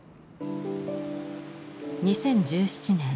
２０１７年